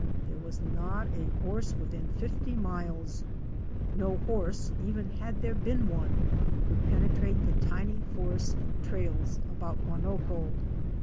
There was not a horse within fifty miles! No horse, even had there been one, could penetrate the tiny forest trails about Guanoco.